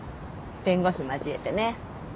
弁護士交えてね。